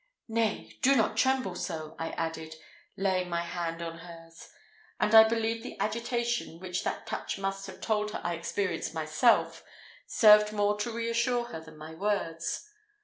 "Nay, do not tremble so," I added, laying my hand on hers; and I believe the agitation which that touch must have told her I experienced myself, served more to re assure her than my words.